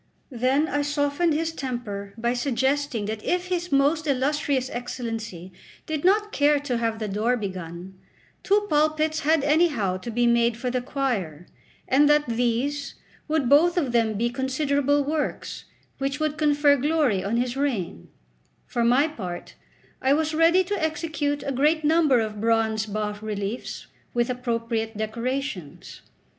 Then I softened his temper by suggesting that if his most illustrious Excellency did not care to have the door begun, two pulpits had anyhow to be made for the choir, and that these would both of them be considerable works, which would confer glory on his reign; for my part, I was ready to execute a great number of bronze bas reliefs with appropriate decorations.